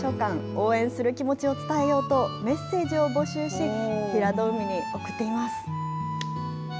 応援する気持ちを伝えようと、メッセージを募集し、平戸海に送っています。